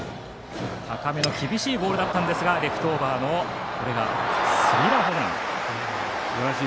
高めの厳しいボールだったんですがレフトオーバーのスリーランホームラン。